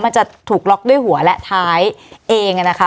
มันจะถูกล็อกด้วยหัวและท้ายเองนะคะ